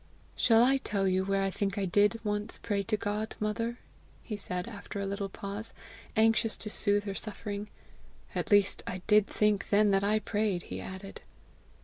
"Shall I tell you where I think I did once pray to God, mother?" he said, after a little pause, anxious to soothe her suffering. "At least I did think then that I prayed!" he added.